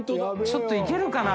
ちょっといけるかな？